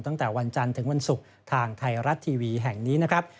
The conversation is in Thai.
ตั้งแต่วันจันทร์ถึงวันศุกร์ทางไทยรัฐทีวีแห่งนี้นะครับ